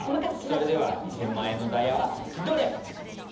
それでは２，０００万円のダイヤはどれ？